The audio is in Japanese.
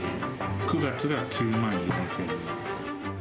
９月が９万４０００円。